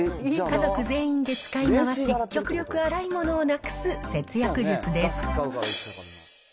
家族全員で使い回し、極力、洗い物をなくす節約術です。